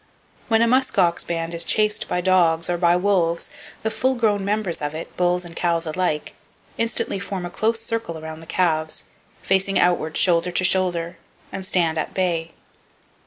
When a musk ox band is chased by dogs, or by wolves, the full grown members of it, bulls and cows alike, instantly form a close circle around the calves, facing outward shoulder to shoulder, and stand at bay.